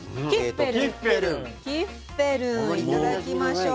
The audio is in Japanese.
キッフェルン頂きましょう。